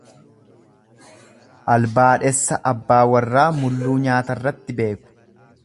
Albaadhessa abbaa warraa mulluu nyaataratti beeku.